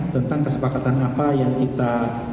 tentang kesepakatan apa yang kita